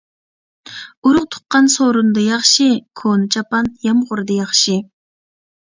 ئۇرۇق-تۇغقان سورۇندا ياخشى، كونا چاپان يامغۇردا ياخشى.